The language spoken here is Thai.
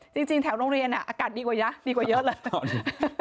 จริงแถวโรงเรียนอากาศดีกว่าเยอะเลย